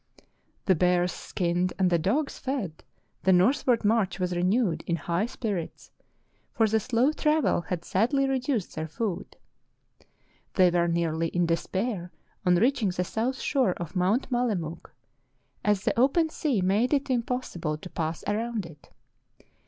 The bears skinned and the dogs fed, the northward march was renewed in high spirits, for the slow travel had sadly reduced their food. The Fidelity of Eskimo Bronlund 353 They were nearly in despair on reaching the south shore of Mount Mallemuk, as the open sea made it impossible to pass around it.